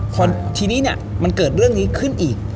พอทีนี้เนี่ยมันเกิดเรื่องนี้ขึ้นอีก